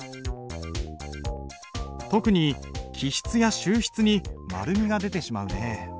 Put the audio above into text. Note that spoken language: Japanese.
特に起筆や収筆に丸みが出てしまうねえ。